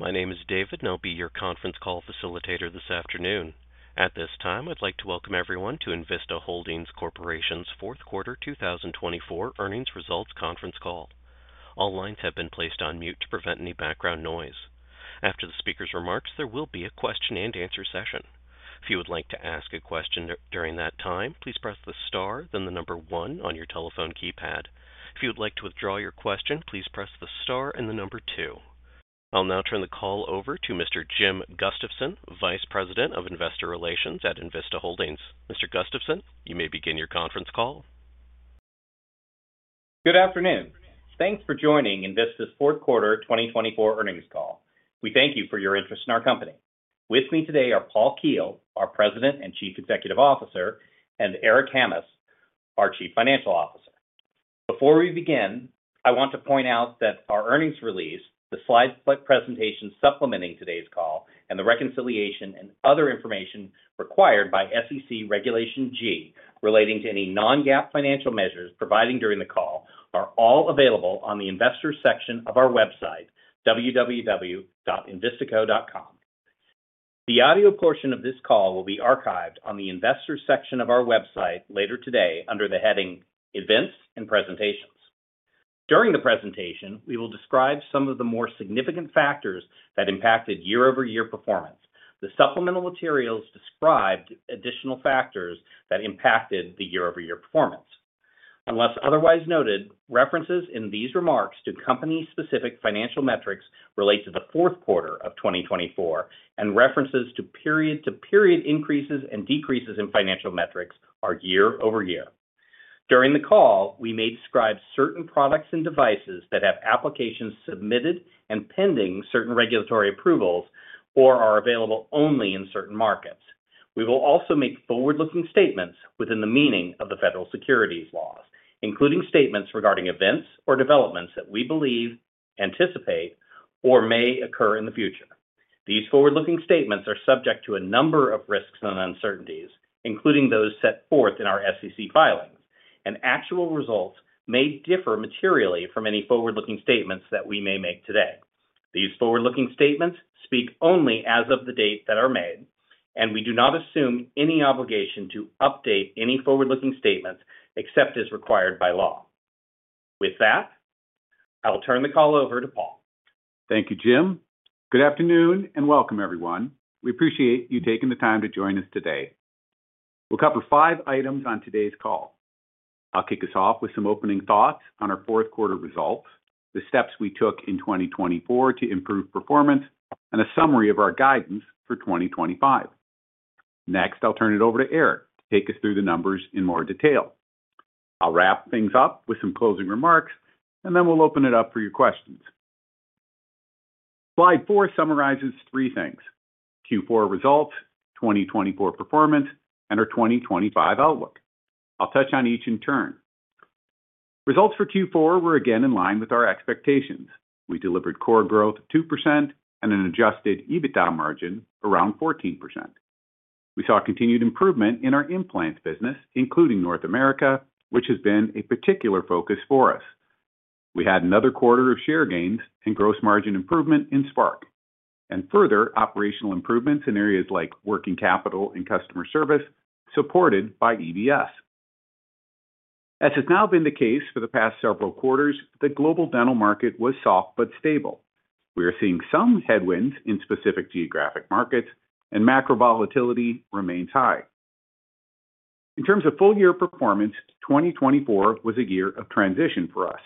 My name is David, and I'll be your conference call facilitator this afternoon. At this time, I'd like to welcome everyone to Envista Holdings Corporation's Q4 2024 Earnings Results Conference Call. All lines have been placed on mute to prevent any background noise. After the speaker's remarks, there will be a Q&A session. If you would like to ask a question during that time, please press the star, then the number one on your telephone keypad. If you would like to withdraw your question, please press the star and the number two. I'll now turn the call over to Mr. Jim Gustafson, Vice President of Investor Relations at Envista Holdings. Mr. Gustafson, you may begin your conference call. Good afternoon. Thanks for joining Envista's Q4 2024 Earnings Call. We thank you for your interest in our company. With me today are Paul Keel, our President and Chief Executive Officer, and Eric Hammes, our Chief Financial Officer. Before we begin, I want to point out that our earnings release, the slide presentation supplementing today's call, and the reconciliation and other information required by SEC Regulation G relating to any non-GAAP financial measures provided during the call are all available on the Investor section of our website, www.envistaco.com. The audio portion of this call will be archived on the Investor section of our website later today under the heading Events and Presentations. During the presentation, we will describe some of the more significant factors that impacted year-over-year performance. The supplemental materials described additional factors that impacted the year-over-year performance. Unless otherwise noted, references in these remarks to company-specific financial metrics relate to the Q4 of 2024, and references to period-to-period increases and decreases in financial metrics are year-over-year. During the call, we may describe certain products and devices that have applications submitted and pending certain regulatory approvals or are available only in certain markets. We will also make forward-looking statements within the meaning of the federal securities laws, including statements regarding events or developments that we believe, anticipate, or may occur in the future. These forward-looking statements are subject to a number of risks and uncertainties, including those set forth in our SEC filings, and actual results may differ materially from any forward-looking statements that we may make today. These forward-looking statements speak only as of the date they are made, and we do not assume any obligation to update any forward-looking statements except as required by law. With that, I'll turn the call over to Paul. Thank you, Jim. Good afternoon and welcome, everyone. We appreciate you taking the time to join us today. We'll cover five items on today's call. I'll kick us off with some opening thoughts on our Q4 results, the steps we took in 2024 to improve performance, and a summary of our guidance for 2025. Next, I'll turn it over to Eric to take us through the numbers in more detail. I'll wrap things up with some closing remarks, and then we'll open it up for your questions. Slide four summarizes three things: Q4 results, 2024 performance, and our 2025 outlook. I'll touch on each in turn. Results for Q4 were again in line with our expectations. We delivered core growth of 2% and an adjusted EBITDA margin around 14%. We saw continued improvement in our implant business, including North America, which has been a particular focus for us. We had another quarter of share gains and gross margin improvement in Spark, and further operational improvements in areas like working capital and customer service supported by EBS. As has now been the case for the past several quarters, the global dental market was soft but stable. We are seeing some headwinds in specific geographic markets, and macro volatility remains high. In terms of full-year performance, 2024 was a year of transition for us.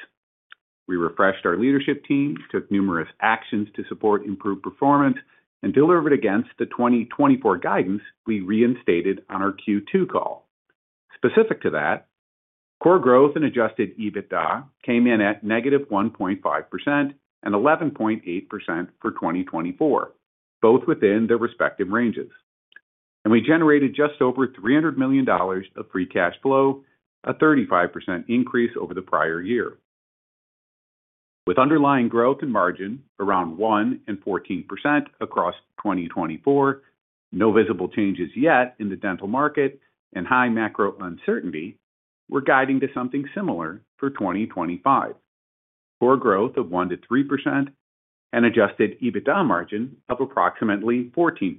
We refreshed our leadership team, took numerous actions to support improved performance, and delivered against the 2024 guidance we reinstated on our Q2 call. Specific to that, core growth and adjusted EBITDA came in at negative 1.5% and 11.8% for 2024, both within their respective ranges, and we generated just over $300 million of free cash flow, a 35% increase over the prior year. With underlying growth and margin around 1% and 14% across 2024, no visible changes yet in the dental market and high macro uncertainty, we're guiding to something similar for 2025: core growth of 1% to 3% and adjusted EBITDA margin of approximately 14%.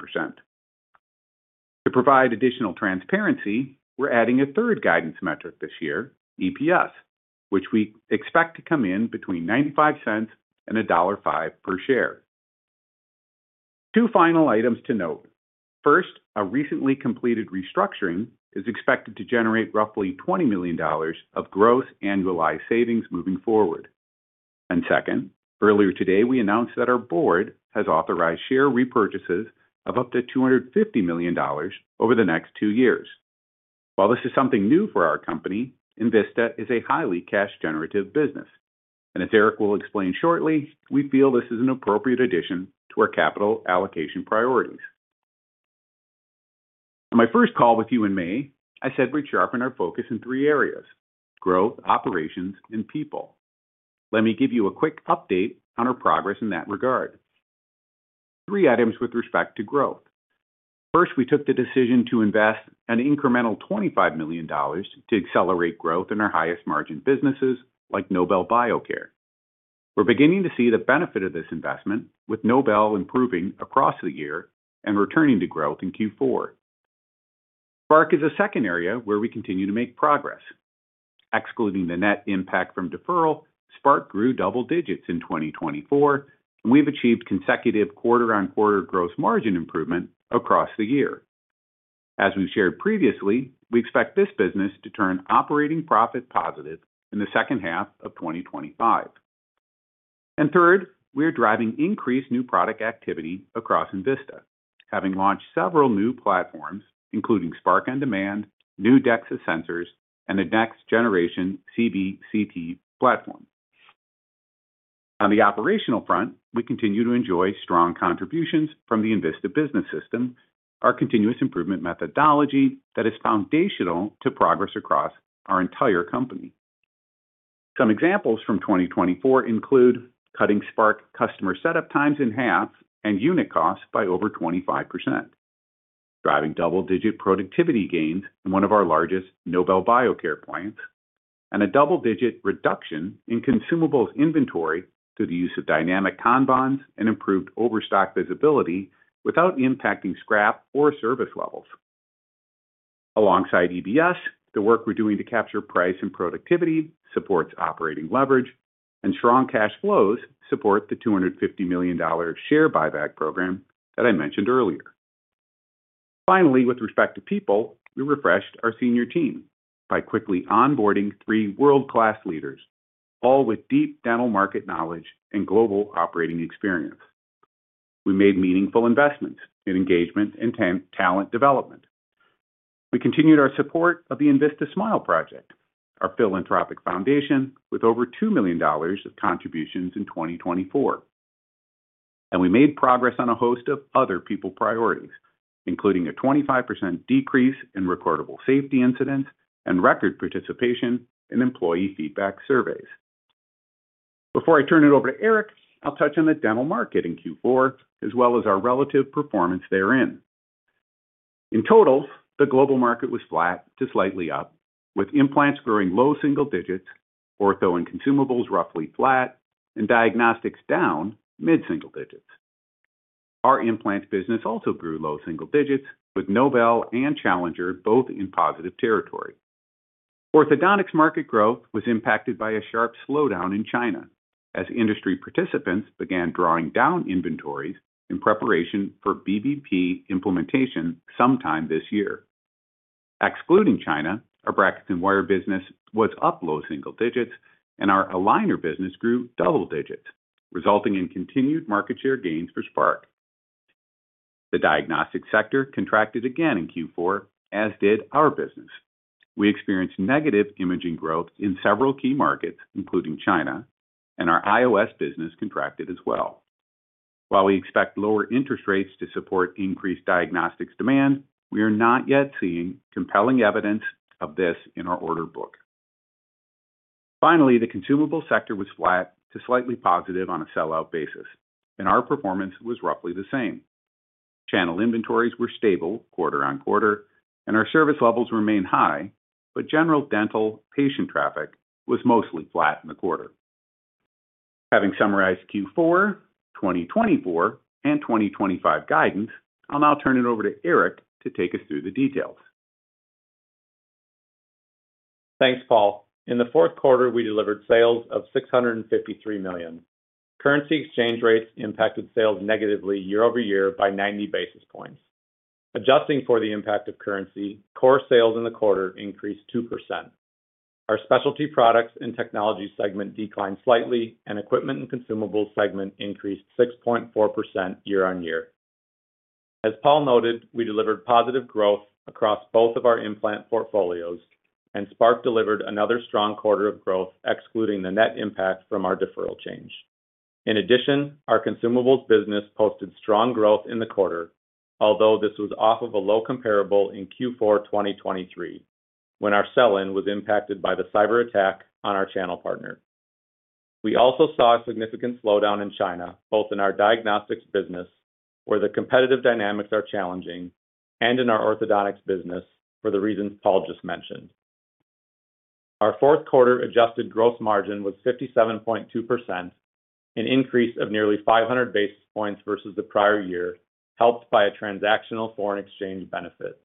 To provide additional transparency, we're adding a third guidance metric this year, EPS, which we expect to come in between $0.95 and $1.05 per share. Two final items to note. First, a recently completed restructuring is expected to generate roughly $20 million of gross annualized savings moving forward. And second, earlier today, we announced that our board has authorized share repurchases of up to $250 million over the next two years. While this is something new for our company, Envista is a highly cash-generative business. And as Eric will explain shortly, we feel this is an appropriate addition to our capital allocation priorities. On my first call with you in May, I said we'd sharpen our focus in three areas: growth, operations, and people. Let me give you a quick update on our progress in that regard. Three items with respect to growth. First, we took the decision to invest an incremental $25 million to accelerate growth in our highest-margin businesses like Nobel Biocare. We're beginning to see the benefit of this investment, with Nobel improving across the year and returning to growth in Q4. Spark is a second area where we continue to make progress. Excluding the net impact from deferral, Spark grew double digits in 2024, and we've achieved consecutive quarter-on-quarter gross margin improvement across the year. As we've shared previously, we expect this business to turn operating profit positive in the second half of 2025. Third, we are driving increased new product activity across Envista, having launched several new platforms, including Spark On Demand, new DEXIS sensors, and the next-generation CBCT platform. On the operational front, we continue to enjoy strong contributions from the Envista Business System, our continuous improvement methodology that is foundational to progress across our entire company. Some examples from 2024 include cutting Spark customer setup times in half and unit costs by over 25%, driving double-digit productivity gains in one of our largest Nobel Biocare plants, and a double-digit reduction in consumables inventory through the use of dynamic Kanban and improved overstock visibility without impacting scrap or service levels. Alongside EBS, the work we're doing to capture price and productivity supports operating leverage, and strong cash flows support the $250 million share buyback program that I mentioned earlier. Finally, with respect to people, we refreshed our senior team by quickly onboarding three world-class leaders, all with deep dental market knowledge and global operating experience. We made meaningful investments in engagement and talent development. We continued our support of the Envista Smile Project, our philanthropic foundation with over $2 million of contributions in 2024, and we made progress on a host of other people priorities, including a 25% decrease in recordable safety incidents and record participation in employee feedback surveys. Before I turn it over to Eric, I'll touch on the dental market in Q4, as well as our relative performance therein. In total, the global market was flat to slightly up, with implants growing low single digits, ortho and consumables roughly flat, and diagnostics down mid-single digits. Our implant business also grew low single digits, with Nobel and Challenger both in positive territory. Orthodontics market growth was impacted by a sharp slowdown in China, as industry participants began drawing down inventories in preparation for VBP implementation sometime this year. Excluding China, our brackets and wire business was up low single digits, and our aligner business grew double digits, resulting in continued market share gains for Spark. The diagnostics sector contracted again in Q4, as did our business. We experienced negative imaging growth in several key markets, including China, and our IOS business contracted as well. While we expect lower interest rates to support increased diagnostics demand, we are not yet seeing compelling evidence of this in our order book. Finally, the consumable sector was flat to slightly positive on a sell-out basis, and our performance was roughly the same. Channel inventories were stable quarter on quarter, and our service levels remained high, but general dental patient traffic was mostly flat in the quarter. Having summarized Q4, 2024, and 2025 guidance, I'll now turn it over to Eric to take us through the details. Thanks, Paul. In the Q4, we delivered sales of $653 million. Currency exchange rates impacted sales negatively year-over-year by 90 basis points. Adjusting for the impact of currency, core sales in the quarter increased 2%. Our Specialty Products and Technology segment declined slightly, and Equipment and Consumables segment increased 6.4% year-on-year. As Paul noted, we delivered positive growth across both of our implant portfolios, and Spark delivered another strong quarter of growth, excluding the net impact from our deferral change. In addition, our consumables business posted strong growth in the quarter, although this was off of a low comparable in Q4 2023, when our sell-in was impacted by the cyberattack on our channel partner. We also saw a significant slowdown in China, both in our diagnostics business, where the competitive dynamics are challenging, and in our orthodontics business for the reasons Paul just mentioned. Our Q4 adjusted gross margin was 57.2%, an increase of nearly 500 basis points versus the prior year, helped by a transactional foreign exchange benefit.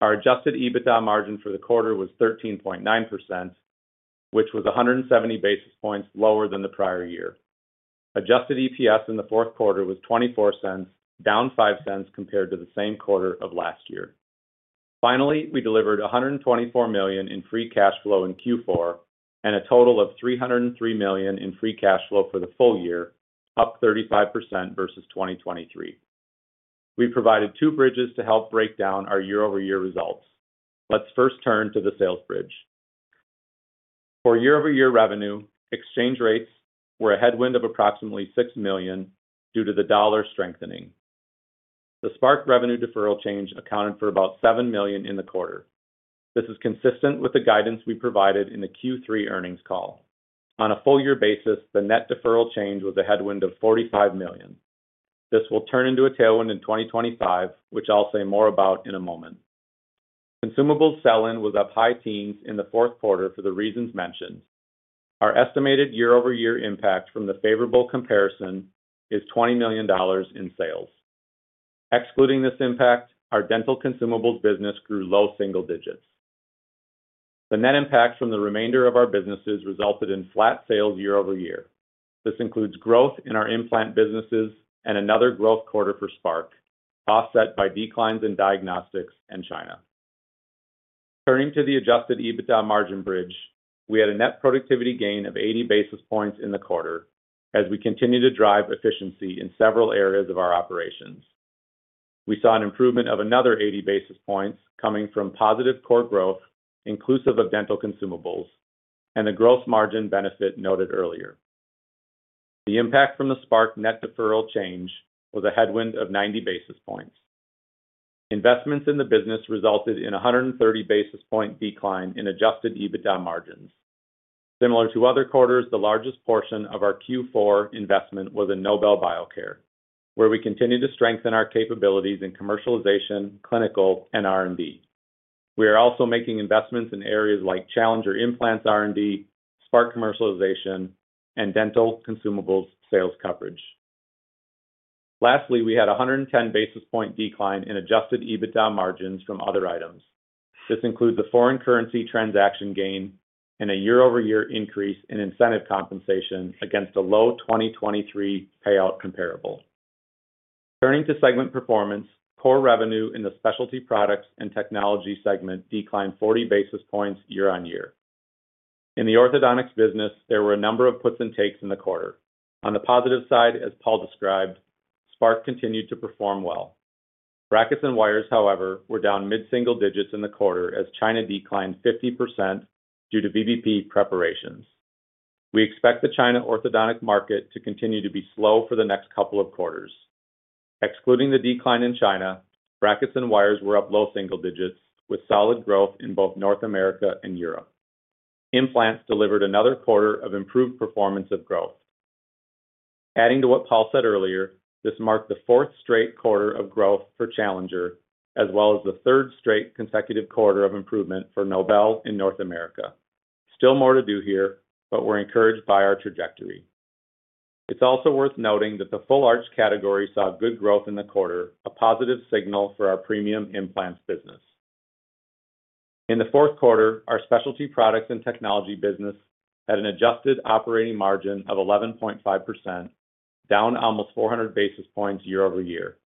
Our Adjusted EBITDA margin for the quarter was 13.9%, which was 170 basis points lower than the prior year. Adjusted EPS in the Q4 was $0.24, down $0.05 compared to the same quarter of last year. Finally, we delivered $124 million in free cash flow in Q4 and a total of $303 million in free cash flow for the full year, up 35% versus 2023. We provided two bridges to help break down our year-over-year results. Let's first turn to the sales bridge. For year-over-year revenue, exchange rates were a headwind of approximately $6 million due to the dollar strengthening. The Spark revenue deferral change accounted for about $7 million in the quarter. This is consistent with the guidance we provided in the Q3 earnings call. On a full-year basis, the net deferral change was a headwind of $45 million. This will turn into a tailwind in 2025, which I'll say more about in a moment. Consumables sell-in was up high teens in the Q4 for the reasons mentioned. Our estimated year-over-year impact from the favorable comparison is $20 million in sales. Excluding this impact, our dental consumables business grew low single digits. The net impact from the remainder of our businesses resulted in flat sales year-over-year. This includes growth in our implant businesses and another growth quarter for Spark, offset by declines in diagnostics and China. Turning to the adjusted EBITDA margin bridge, we had a net productivity gain of 80 basis points in the quarter as we continued to drive efficiency in several areas of our operations. We saw an improvement of another 80 basis points coming from positive core growth, inclusive of dental consumables, and the gross margin benefit noted earlier. The impact from the Spark net deferral change was a headwind of 90 basis points. Investments in the business resulted in a 130 basis point decline in adjusted EBITDA margins. Similar to other quarters, the largest portion of our Q4 investment was in Nobel Biocare, where we continue to strengthen our capabilities in commercialization, clinical, and R&D. We are also making investments in areas like challenger implants R&D, Spark commercialization, and dental consumables sales coverage. Lastly, we had a 110 basis point decline in adjusted EBITDA margins from other items. This includes a foreign currency transaction gain and a year-over-year increase in incentive compensation against a low 2023 payout comparable. Turning to segment performance, core revenue in the Specialty Products and Technology segment declined 40 basis points year-on-year. In the orthodontics business, there were a number of puts and takes in the quarter. On the positive side, as Paul described, Spark continued to perform well. Brackets and wires, however, were down mid-single digits in the quarter as China declined 50% due to VBP preparations. We expect the China orthodontic market to continue to be slow for the next couple of quarters. Excluding the decline in China, brackets and wires were up low single digits, with solid growth in both North America and Europe. Implants delivered another quarter of improved performance of growth. Adding to what Paul said earlier, this marked the fourth straight quarter of growth for challenger, as well as the third straight consecutive quarter of improvement for Nobel in North America. Still more to do here, but we're encouraged by our trajectory. It's also worth noting that the full arch category saw good growth in the quarter, a positive signal for our premium implants business. In the Q4, our specialty products and technology business had an adjusted operating margin of 11.5%, down almost 400 basis points year-over-year.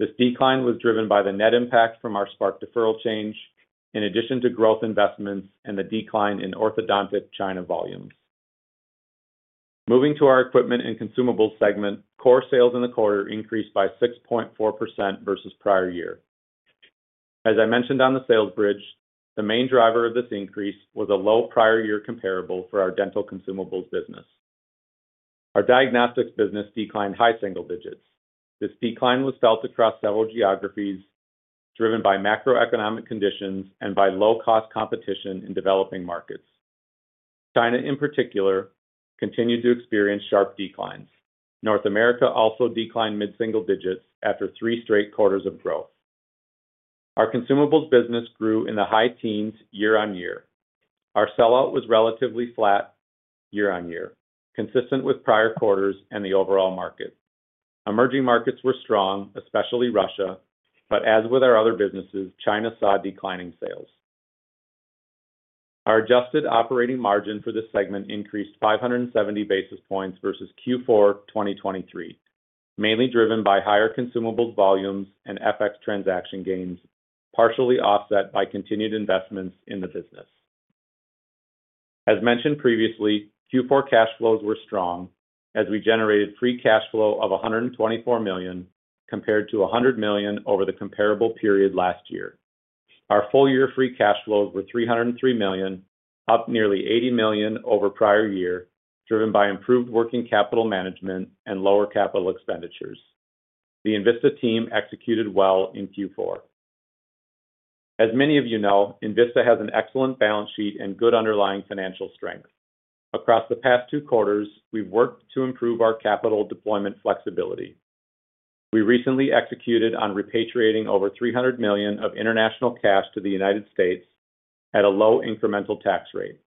This decline was driven by the net impact from our Spark deferral change, in addition to growth investments and the decline in orthodontic China volumes. Moving to our Equipment and Consumables segment, core sales in the quarter increased by 6.4% versus prior year. As I mentioned on the sales bridge, the main driver of this increase was a low prior-year comparable for our dental consumables business. Our diagnostics business declined high single digits. This decline was felt across several geographies, driven by macroeconomic conditions and by low-cost competition in developing markets. China, in particular, continued to experience sharp declines. North America also declined mid-single digits after three straight quarters of growth. Our consumables business grew in the high teens year-on-year. Our sell-out was relatively flat year-on-year, consistent with prior quarters and the overall market. Emerging markets were strong, especially Russia, but as with our other businesses, China saw declining sales. Our adjusted operating margin for this segment increased 570 basis points versus Q4 2023, mainly driven by higher consumables volumes and FX transaction gains, partially offset by continued investments in the business. As mentioned previously, Q4 cash flows were strong, as we generated free cash flow of $124 million compared to $100 million over the comparable period last year. Our full-year free cash flows were $303 million, up nearly $80 million over prior year, driven by improved working capital management and lower capital expenditures. The Envista team executed well in Q4. As many of you know, Envista has an excellent balance sheet and good underlying financial strength. Across the past two quarters, we've worked to improve our capital deployment flexibility. We recently executed on repatriating over $300 million of international cash to the United States at a low incremental tax rate.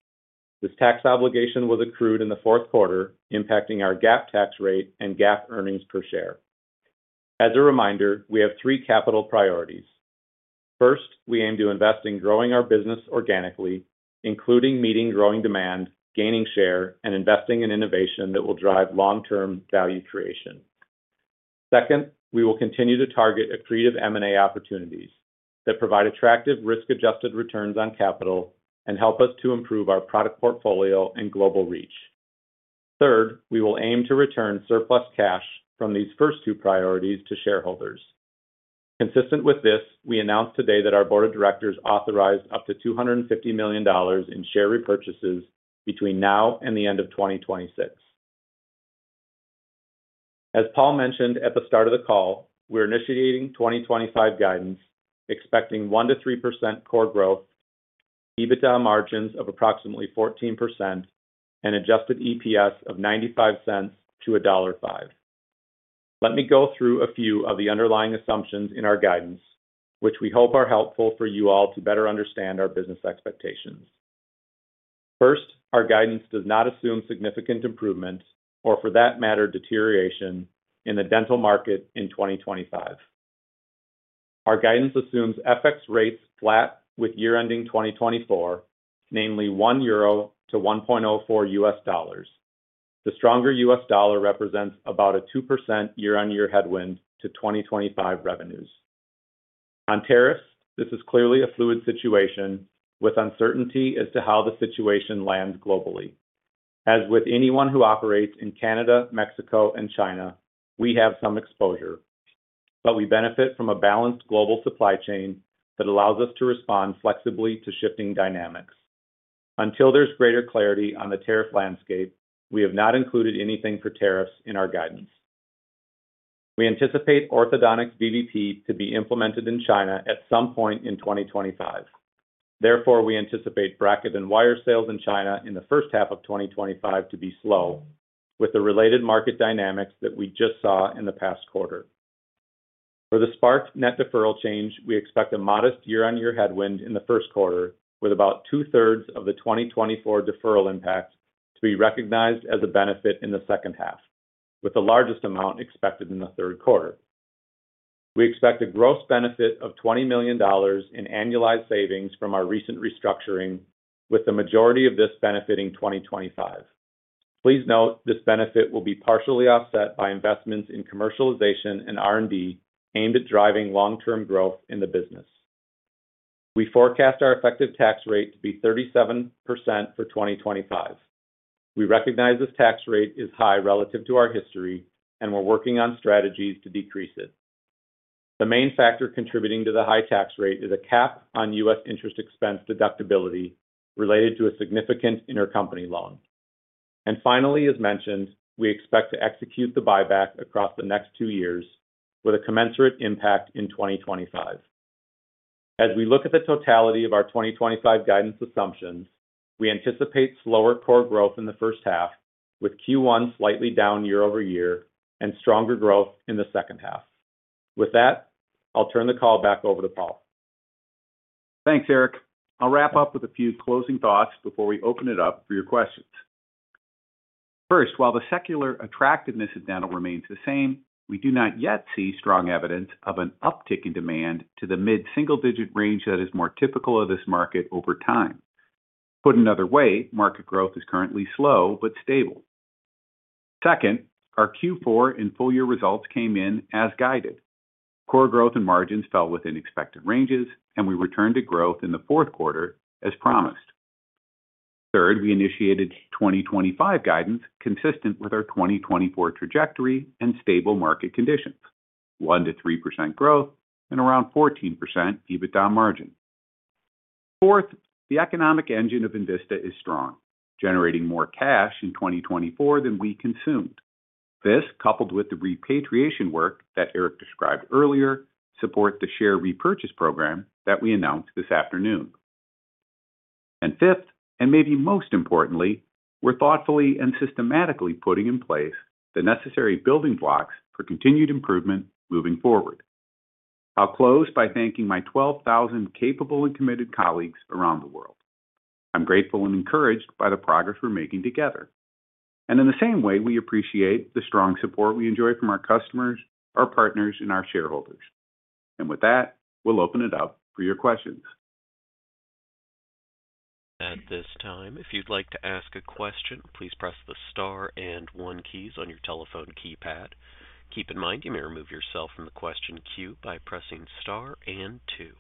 This tax obligation was accrued in the Q4, impacting our GAAP tax rate and GAAP earnings per share. As a reminder, we have three capital priorities. First, we aim to invest in growing our business organically, including meeting growing demand, gaining share, and investing in innovation that will drive long-term value creation. Second, we will continue to target accretive M&A opportunities that provide attractive risk-adjusted returns on capital and help us to improve our product portfolio and global reach. Third, we will aim to return surplus cash from these first two priorities to shareholders. Consistent with this, we announced today that our board of directors authorized up to $250 million in share repurchases between now and the end of 2026. As Paul mentioned at the start of the call, we're initiating 2025 guidance, expecting 1%-3% core growth, EBITDA margins of approximately 14%, and adjusted EPS of $0.95-$1.05. Let me go through a few of the underlying assumptions in our guidance, which we hope are helpful for you all to better understand our business expectations. First, our guidance does not assume significant improvement or, for that matter, deterioration in the dental market in 2025. Our guidance assumes FX rates flat with year-ending 2024, namely $1 to $1.04 USD. The stronger USD represents about a 2% year-on-year headwind to 2025 revenues. On tariffs, this is clearly a fluid situation, with uncertainty as to how the situation lands globally. As with anyone who operates in Canada, Mexico, and China, we have some exposure, but we benefit from a balanced global supply chain that allows us to respond flexibly to shifting dynamics. Until there's greater clarity on the tariff landscape, we have not included anything for tariffs in our guidance. We anticipate orthodontics VBP to be implemented in China at some point in 2025. Therefore, we anticipate bracket and wire sales in China in the first half of 2025 to be slow, with the related market dynamics that we just saw in the past quarter. For the Spark net deferral change, we expect a modest year-on-year headwind in the Q1, with about two-thirds of the 2024 deferral impact to be recognized as a benefit in the second half, with the largest amount expected in the Q3. We expect a gross benefit of $20 million in annualized savings from our recent restructuring, with the majority of this benefiting 2025. Please note this benefit will be partially offset by investments in commercialization and R&D aimed at driving long-term growth in the business. We forecast our effective tax rate to be 37% for 2025. We recognize this tax rate is high relative to our history, and we're working on strategies to decrease it. The main factor contributing to the high tax rate is a cap on U.S. interest expense deductibility related to a significant intercompany loan. Finally, as mentioned, we expect to execute the buyback across the next two years, with a commensurate impact in 2025. As we look at the totality of our 2025 guidance assumptions, we anticipate slower core growth in the first half, with Q1 slightly down year-over-year and stronger growth in the second half. With that, I'll turn the call back over to Paul. Thanks, Eric. I'll wrap up with a few closing thoughts before we open it up for your questions. First, while the secular attractiveness of dental remains the same, we do not yet see strong evidence of an uptick in demand to the mid-single digit range that is more typical of this market over time. Put another way, market growth is currently slow but stable. Second, our Q4 and full-year results came in as guided. Core growth and margins fell within expected ranges, and we returned to growth in the Q4 as promised. Third, we initiated 2025 guidance consistent with our 2024 trajectory and stable market conditions: 1%-3% growth and around 14% EBITDA margin. Fourth, the economic engine of Envista is strong, generating more cash in 2024 than we consumed. This, coupled with the repatriation work that Eric described earlier, supports the share repurchase program that we announced this afternoon. And fifth, and maybe most importantly, we're thoughtfully and systematically putting in place the necessary building blocks for continued improvement moving forward. I'll close by thanking my 12,000 capable and committed colleagues around the world. I'm grateful and encouraged by the progress we're making together. And in the same way, we appreciate the strong support we enjoy from our customers, our partners, and our shareholders. And with that, we'll open it up for your questions. At this time, if you'd like to ask a question, please press the star and one keys on your telephone keypad. Keep in mind, you may remove yourself from the question queue by pressing star and two.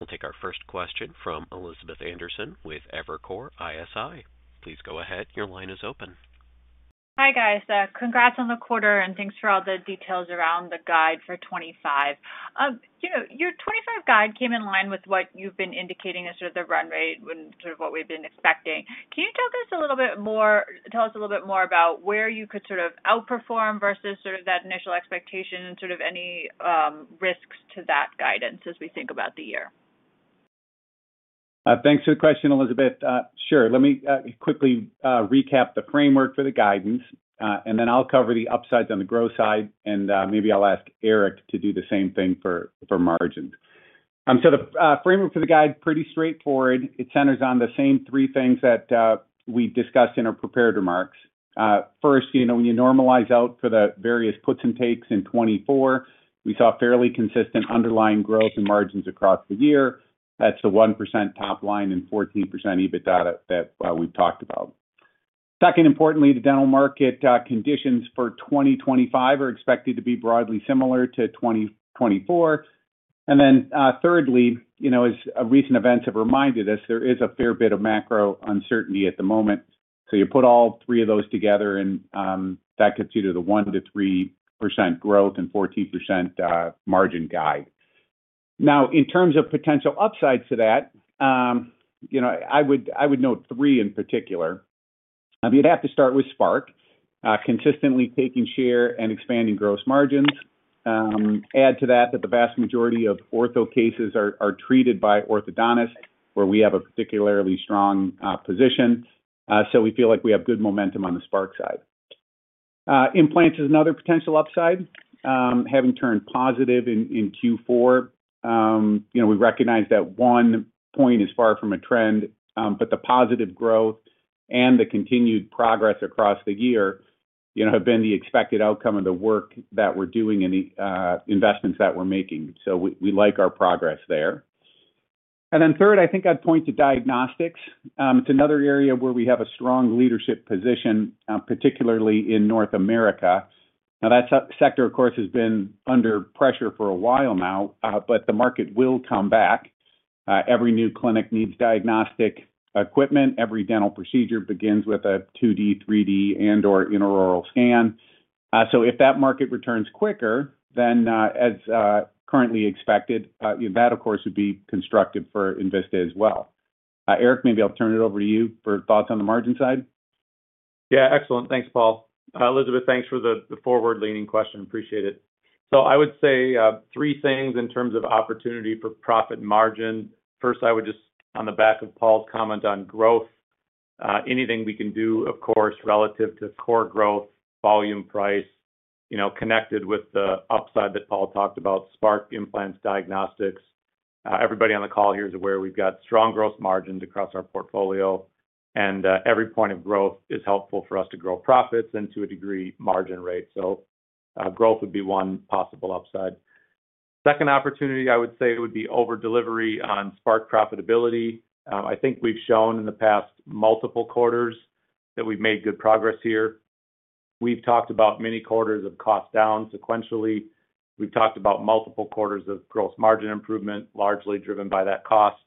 We'll take our first question from Elizabeth Anderson with Evercore ISI. Please go ahead. Your line is open. Hi guys. Congrats on the quarter, and thanks for all the details around the guide for 2025. Your 2025 guide came in line with what you've been indicating as sort of the run rate and sort of what we've been expecting. Can you talk to us a little bit more, tell us a little bit more about where you could sort of outperform versus sort of that initial expectation and sort of any risks to that guidance as we think about the year? Thanks for the question, Elizabeth. Sure. Let me quickly recap the framework for the guidance, and then I'll cover the upsides on the growth side, and maybe I'll ask Eric to do the same thing for margins. So the framework for the guide is pretty straightforward. It centers on the same three things that we discussed in our prepared remarks. First, when you normalize out for the various puts and takes in 2024, we saw fairly consistent underlying growth and margins across the year. That's the 1% top line and 14% EBITDA that we've talked about. Second, importantly, the dental market conditions for 2025 are expected to be broadly similar to 2024. And then thirdly, as recent events have reminded us, there is a fair bit of macro uncertainty at the moment. So you put all three of those together, and that gets you to the 1 to 3% growth and 14% margin guide. Now, in terms of potential upsides to that, I would note three in particular. You'd have to start with Spark, consistently taking share and expanding gross margins. Add to that that the vast majority of ortho cases are treated by orthodontists, where we have a particularly strong position. So we feel like we have good momentum on the Spark side. Implants is another potential upside. Having turned positive in Q4, we recognize that one point is far from a trend, but the positive growth and the continued progress across the year have been the expected outcome of the work that we're doing and the investments that we're making. So we like our progress there. And then third, I think I'd point to diagnostics. It's another area where we have a strong leadership position, particularly in North America. Now, that sector, of course, has been under pressure for a while now, but the market will come back. Every new clinic needs diagnostic equipment. Every dental procedure begins with a 2D, 3D, and/or intraoral scan. So if that market returns quicker, then as currently expected, that, of course, would be constructive for Envista as well. Eric, maybe I'll turn it over to you for thoughts on the margin side. Yeah, excellent. Thanks, Paul. Elizabeth, thanks for the forward-leaning question. Appreciate it, so I would say three things in terms of opportunity for profit and margin. First, I would just, on the back of Paul's comment on growth, anything we can do, of course, relative to core growth, volume, price, connected with the upside that Paul talked about, Spark, implants, diagnostics. Everybody on the call here is aware we've got strong gross margins across our portfolio, and every point of growth is helpful for us to grow profits and, to a degree, margin rate. So growth would be one possible upside. Second opportunity, I would say, would be over-delivery on Spark profitability. I think we've shown in the past multiple quarters that we've made good progress here. We've talked about many quarters of cost down sequentially. We've talked about multiple quarters of gross margin improvement, largely driven by that cost,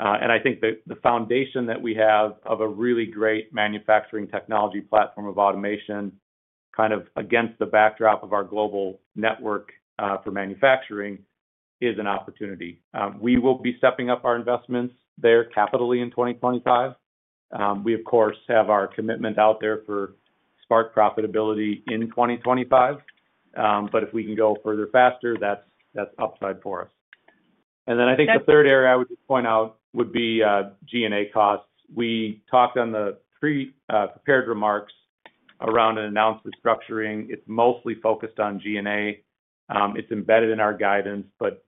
and I think the foundation that we have of a really great manufacturing technology platform of automation, kind of against the backdrop of our global network for manufacturing, is an opportunity. We will be stepping up our investments there capitally in 2025. We, of course, have our commitment out there for Spark profitability in 2025, but if we can go further faster, that's upside for us, and then I think the third area I would just point out would be G&A costs. We talked on the pre-prepared remarks around an announced restructuring. It's mostly focused on G&A. It's embedded in our guidance, but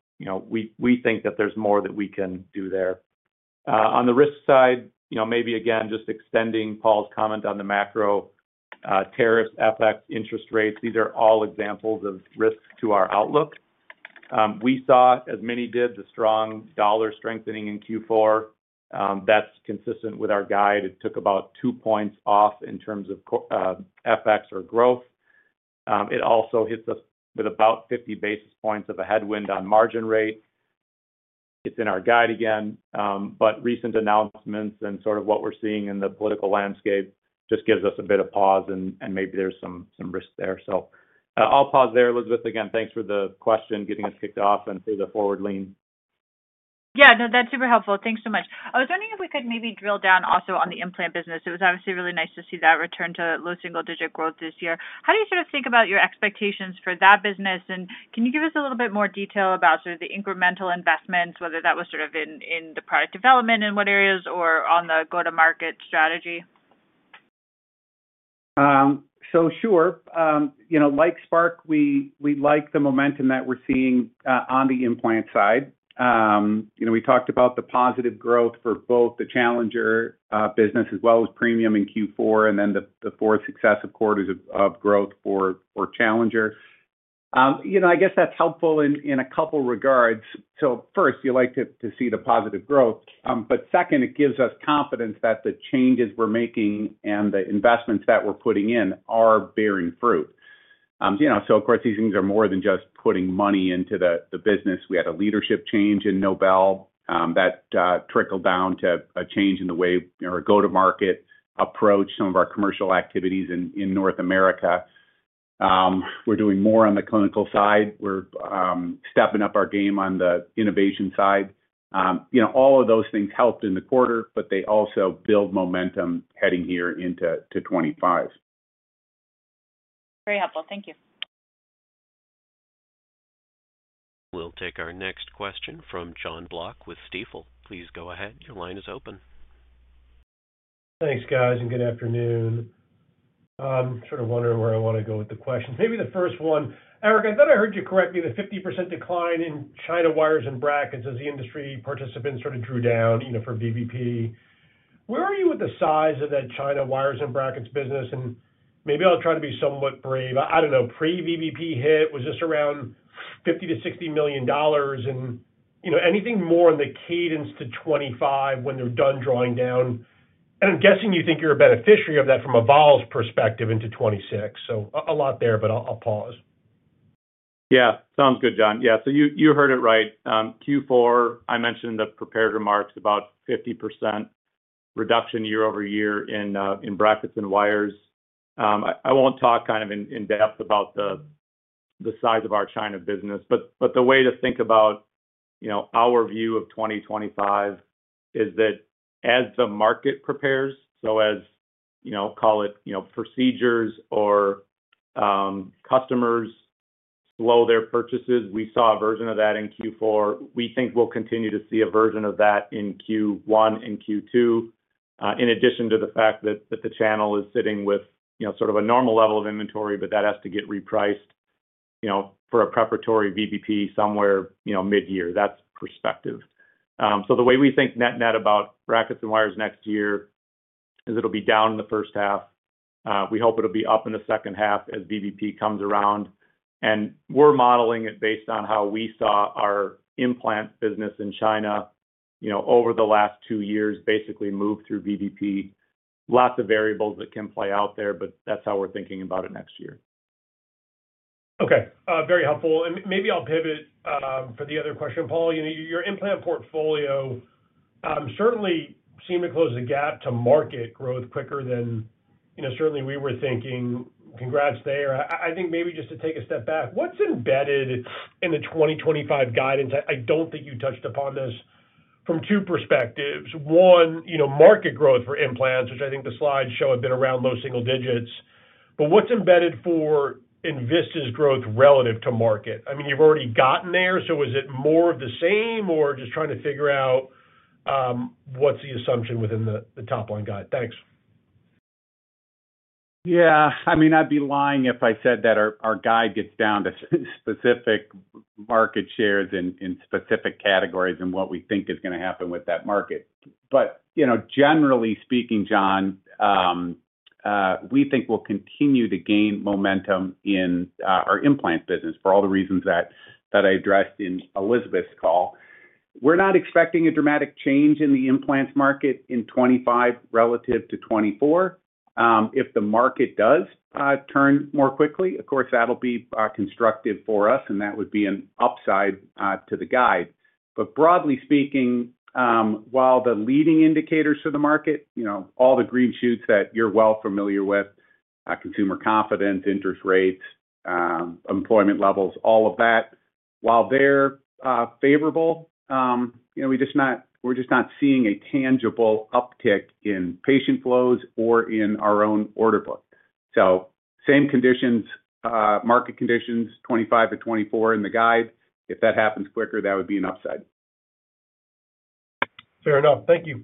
we think that there's more that we can do there. On the risk side, maybe again, just extending Paul's comment on the macro, tariffs, FX, interest rates. These are all examples of risks to our outlook. We saw, as many did, the strong dollar strengthening in Q4. That's consistent with our guide. It took about two points off in terms of FX or growth. It also hits us with about 50 basis points of a headwind on margin rate. It's in our guide again, but recent announcements and sort of what we're seeing in the political landscape just gives us a bit of pause, and maybe there's some risk there. So I'll pause there. Elizabeth, again, thanks for the question, getting us kicked off, and for the forward lean. Yeah, no, that's super helpful. Thanks so much. I was wondering if we could maybe drill down also on the implant business. It was obviously really nice to see that return to low single-digit growth this year. How do you sort of think about your expectations for that business? And can you give us a little bit more detail about sort of the incremental investments, whether that was sort of in the product development in what areas or on the go-to-market strategy? So sure. Like Spark, we like the momentum that we're seeing on the implant side. We talked about the positive growth for both the challenger business as well as premium in Q4, and then the four successive quarters of growth for challenger. I guess that's helpful in a couple of regards. So first, you like to see the positive growth, but second, it gives us confidence that the changes we're making and the investments that we're putting in are bearing fruit. So of course, these things are more than just putting money into the business. We had a leadership change in Nobel that trickled down to a change in the way or a go-to-market approach some of our commercial activities in North America. We're doing more on the clinical side. We're stepping up our game on the innovation side. All of those things helped in the quarter, but they also build momentum heading here into 2025. Very helpful. Thank you. We'll take our next question from Jon Block with Stifel. Please go ahead. Your line is open. Thanks, guys, and good afternoon. I'm sort of wondering where I want to go with the questions. Maybe the first one. Eric, I thought I heard you correct me the 50% decline in China wires and brackets as the industry participants sort of drew down for VBP. Where are you with the size of that China wires and brackets business? And maybe I'll try to be somewhat brave. I don't know. Pre-VBP hit, was this around $50-$60 million? And anything more in the cadence to 2025 when they're done drawing down? And I'm guessing you think you're a beneficiary of that from a vols perspective into 2026. So a lot there, but I'll pause. Yeah. Sounds good, Jon. Yeah. So you heard it right. Q4, I mentioned the prepared remarks about 50% reduction year-over-year in brackets and wires. I won't talk kind of in depth about the size of our China business, but the way to think about our view of 2025 is that as the market prepares, so as call it procedures or customers slow their purchases, we saw a version of that in Q4. We think we'll continue to see a version of that in Q1 and Q2, in addition to the fact that the channel is sitting with sort of a normal level of inventory, but that has to get repriced for a preparatory VBP somewhere mid-year. That's perspective. So the way we think net-net about brackets and wires next year is it'll be down in the first half. We hope it'll be up in the second half as VBP comes around. And we're modeling it based on how we saw our implant business in China over the last two years basically move through VBP. Lots of variables that can play out there, but that's how we're thinking about it next year. Okay. Very helpful. And maybe I'll pivot for the other question, Paul. Your implant portfolio certainly seemed to close the gap to market growth quicker than certainly we were thinking. Congrats there. I think maybe just to take a step back, what's embedded in the 2025 guidance? I don't think you touched upon this from two perspectives. One, market growth for implants, which I think the slides show have been around low single digits. But what's embedded for Envista's growth relative to market? I mean, you've already gotten there. So is it more of the same, or just trying to figure out what's the assumption within the top line guide? Thanks. Yeah. I mean, I'd be lying if I said that our guide gets down to specific market shares in specific categories and what we think is going to happen with that market. But generally speaking, John, we think we'll continue to gain momentum in our implant business for all the reasons that I addressed in Elizabeth's call. We're not expecting a dramatic change in the implants market in 2025 relative to 2024. If the market does turn more quickly, of course, that'll be constructive for us, and that would be an upside to the guide. But broadly speaking, while the leading indicators for the market, all the green shoots that you're well familiar with, consumer confidence, interest rates, employment levels, all of that, while they're favorable, we're just not seeing a tangible uptick in patient flows or in our own order book. So same conditions, market conditions, 2025 to 2024 in the guide. If that happens quicker, that would be an upside. Fair enough. Thank you.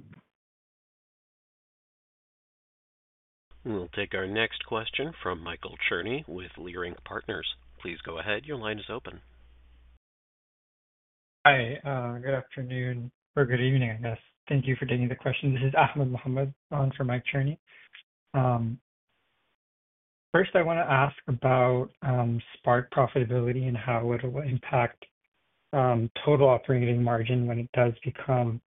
We'll take our next question from Michael Cherney with Leerink Partners. Please go ahead. Your line is open. Hi. Good afternoon or good evening, I guess. Thank you for taking the question. This is Ahmed Muhammad on for Mike Cherney. First, I want to ask about Spark profitability and how it will impact total operating margin when it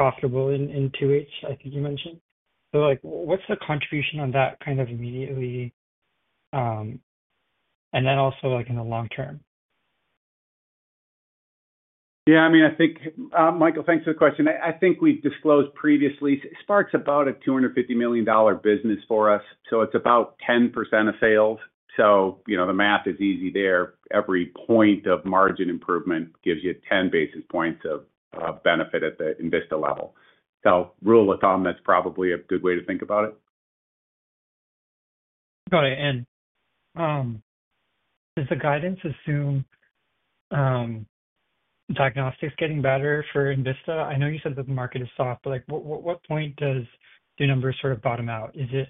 does become profitable in 2H, I think you mentioned. So what's the contribution on that kind of immediately and then also in the long term? Yeah. I mean, I think Michael, thanks for the question. I think we've disclosed previously, Spark's about a $250 million business for us. So it's about 10% of sales. So the math is easy there. Every point of margin improvement gives you 10 basis points of benefit at the Envista level. So rule of thumb, that's probably a good way to think about it. Got it. And does the guidance assume diagnostics getting better for Envista? I know you said that the market is soft, but at what point does the numbers sort of bottom out? Is it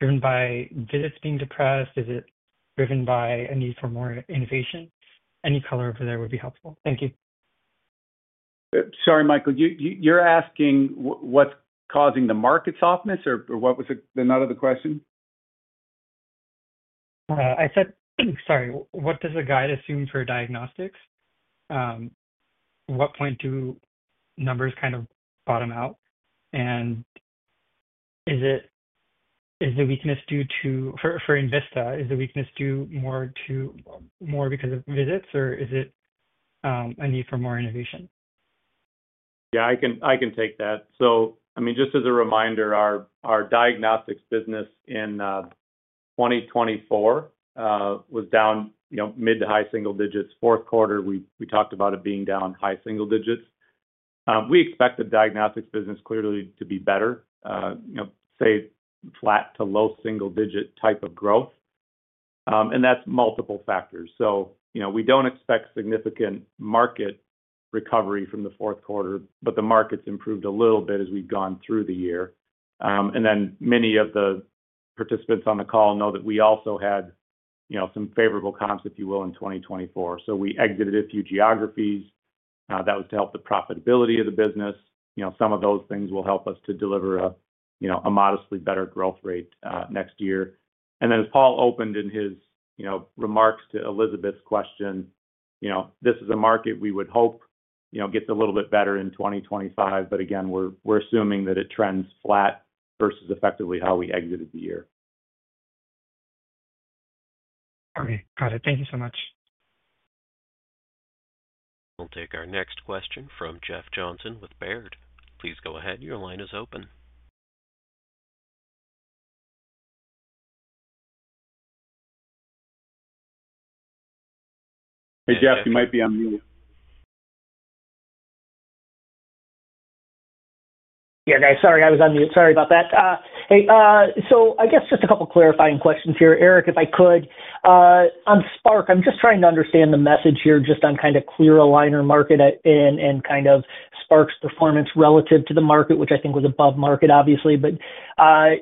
driven by visits being depressed? Is it driven by a need for more innovation? Any color over there would be helpful. Thank you. Sorry, Michael. You're asking what's causing the market softness, or what was the nut of the question? I said, sorry, what does the guide assume for diagnostics? At what point do numbers kind of bottom out? And is the weakness due to for Envista, is the weakness due more because of visits, or is it a need for more innovation? Yeah, I can take that. So I mean, just as a reminder, our diagnostics business in 2024 was down mid- to high-single-digits. Q4, we talked about it being down high-single-digits. We expect the diagnostics business clearly to be better, say, flat to low-single-digit type of growth. That's multiple factors. So we don't expect significant market recovery from the Q4, but the market's improved a little bit as we've gone through the year. And then many of the participants on the call know that we also had some favorable comps, if you will, in 2024. So we exited a few geographies. That was to help the profitability of the business. Some of those things will help us to deliver a modestly better growth rate next year. And then as Paul opened in his remarks to Elizabeth's question, this is a market we would hope gets a little bit better in 2025, but again, we're assuming that it trends flat versus effectively how we exited the year. All right. Got it. Thank you so much. We'll take our next question from Jeff Johnson with Baird. Please go ahead. Your line is open. Hey, Jeff, you might be on mute. Yeah, guys, sorry, I was on mute. Sorry about that. Hey, so I guess just a couple of clarifying questions here. Eric, if I could, on Spark, I'm just trying to understand the message here just on kind of clear aligner market and kind of Spark's performance relative to the market, which I think was above market, obviously. But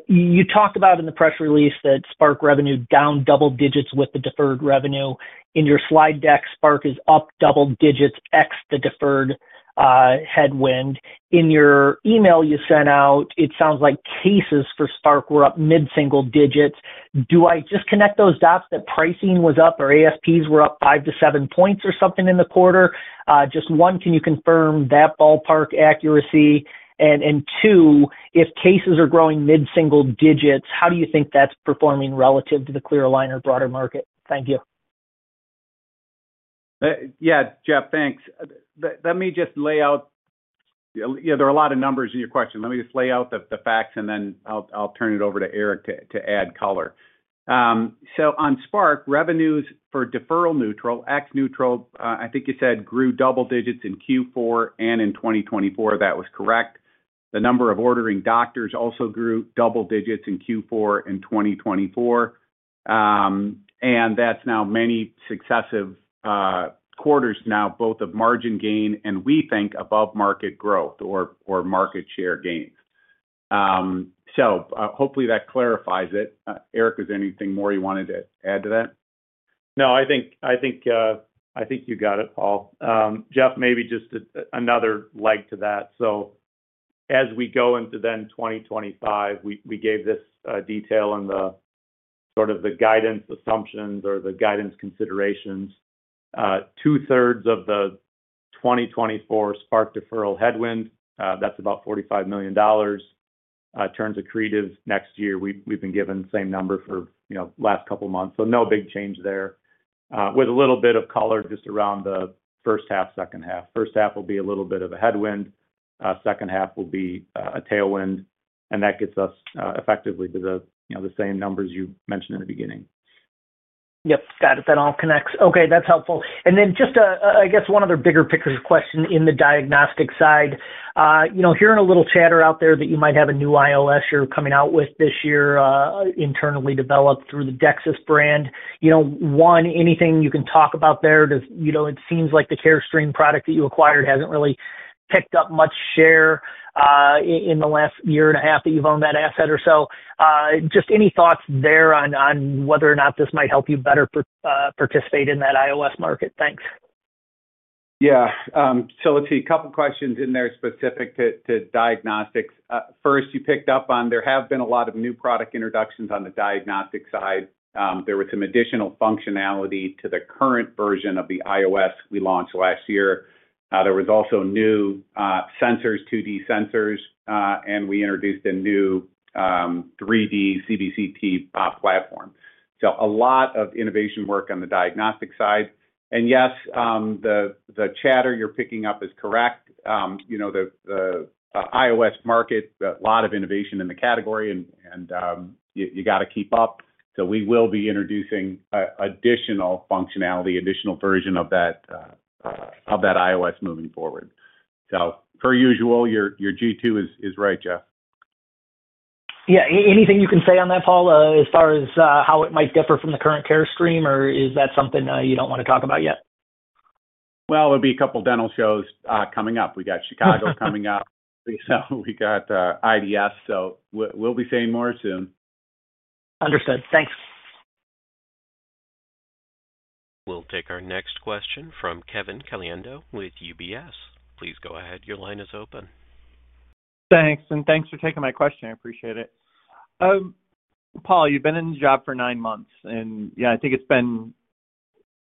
you talked about in the press release that Spark revenue down double digits with the deferred revenue. In your slide deck, Spark is up double digits ex the deferred headwind. In your email you sent out, it sounds like cases for Spark were up mid-single digits. Do I connect those dots that pricing was up or ASPs were up five to seven points or something in the quarter? Just one, can you confirm that ballpark accuracy? And two, if cases are growing mid-single digits, how do you think that's performing relative to the clear aligner broader market? Thank you. Yeah, Jeff, thanks. Let me just lay out there are a lot of numbers in your question. Let me just lay out the facts, and then I'll turn it over to Eric to add color. So on Spark, revenues for deferral neutral, FX neutral, I think you said grew double digits in Q4 and in 2024. That was correct. The number of ordering doctors also grew double digits in Q4 in 2024. And that's now many successive quarters now, both of margin gain and we think above market growth or market share gains. So hopefully that clarifies it. Eric, is there anything more you wanted to add to that? No, I think you got it, Paul. Jeff, maybe just another leg to that. So as we go into then 2025, we gave this detail in sort of the guidance assumptions or the guidance considerations. Two-thirds of the 2024 Spark deferral headwind, that's about $45 million. Turns accretive next year. We've been given the same number for the last couple of months. So no big change there. With a little bit of color just around the first half, second half. First half will be a little bit of a headwind. Second half will be a tailwind. And that gets us effectively to the same numbers you mentioned in the beginning. Yep. Got it. That all connects. Okay. That's helpful. And then just, I guess, one other bigger picture question in the diagnostic side. Hearing a little chatter out there that you might have a new IOS you're coming out with this year internally developed through the DEXIS brand. One, anything you can talk about there? It seems like the Carestream product that you acquired hasn't really picked up much share in the last year and a half that you've owned that asset or so. Just any thoughts there on whether or not this might help you better participate in that IOS market? Thanks. Yeah. So let's see. A couple of questions in there specific to diagnostics. First, you picked up on there have been a lot of new product introductions on the diagnostic side. There was some additional functionality to the current version of the IOS we launched last year. There was also new sensors, 2D sensors, and we introduced a new 3D CBCT platform. So a lot of innovation work on the diagnostic side. And yes, the chatter you're picking up is correct. The IOS market, a lot of innovation in the category, and you got to keep up. So we will be introducing additional functionality, additional version of that IOS moving forward. So per usual, your G2 is right, Jeff. Yeah. Anything you can say on that, Paul, as far as how it might differ from the current Carestream, or is that something you don't want to talk about yet? Well, it'll be a couple of dental shows coming up. We got Chicago coming up. We got IDS. So we'll be seeing more soon. Understood. Thanks. We'll take our next question from Kevin Caliendo with UBS. Please go ahead. Your line is open. Thanks. And thanks for taking my question. I appreciate it. Paul, you've been in the job for nine months. Yeah, I think it's been.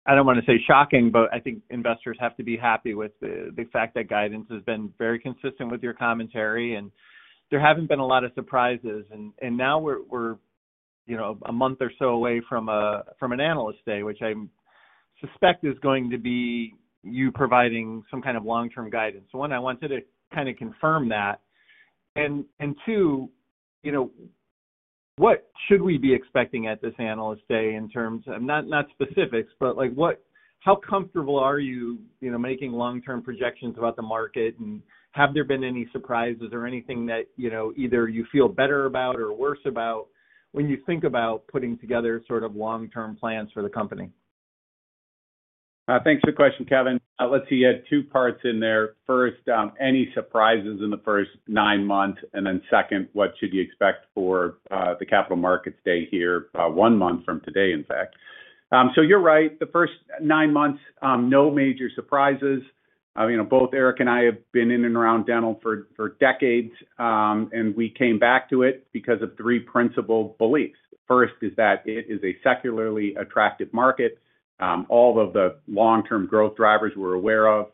I don't want to say shocking, but I think investors have to be happy with the fact that guidance has been very consistent with your commentary. There haven't been a lot of surprises. Now we're a month or so away from an analyst day, which I suspect is going to be you providing some kind of long-term guidance. One, I wanted to kind of confirm that. Two, what should we be expecting at this analyst day in terms of not specifics, but how comfortable are you making long-term projections about the market? Have there been any surprises or anything that either you feel better about or worse about when you think about putting together sort of long-term plans for the company? Thanks for the question, Kevin. Let's see. You had two parts in there. First, any surprises in the first nine months? And then second, what should you expect for the Capital Markets Day here, one month from today, in fact? So you're right. The first nine months, no major surprises. Both Eric and I have been in and around dental for decades, and we came back to it because of three principal beliefs. First is that it is a secularly attractive market. All of the long-term growth drivers we're aware of,